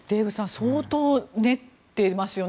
相当練っていますよね。